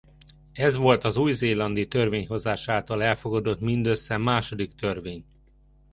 Ez volt az új-zélandi törvényhozás által elfogadott mindössze második törvény.